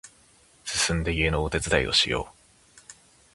すすんで家のお手伝いをしよう